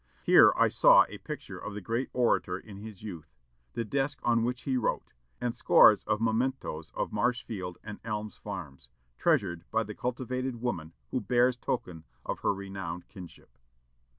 Here I saw a picture of the great orator in his youth, the desk on which he wrote, and scores of mementos of Marshfield and "Elms Farms," treasured by the cultivated woman who bears token of her renowned kinship.